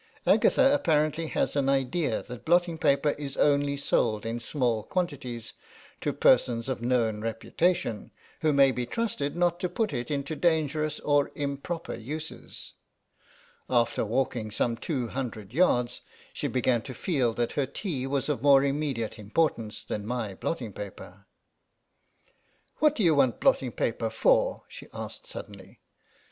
Agatha apparently has an idea that blotting paper is only sold in small quantities to persons of known reputation, who may be trusted not to put it to dangerous or improper uses. After walking some two hundred yards she began to feel that her tea was of more immediate importance than my blotting paper. "What do you want blotting paper for?" she asked suddenly.